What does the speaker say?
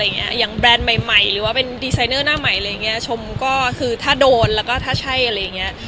แต่ตอนที่ไปหาเป็นแบรนด์ใหม่หรือว่าเป็นดีไซเนอร์หน้าใหม่ชมก็ถ้าโดนแล้วถ้ายังไง